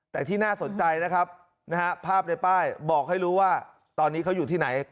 แต่ที่น่าสนใจนะครับภาพในป้ายบอกให้รู้ว่าตอนนี้เขาอยู่ที่ไหน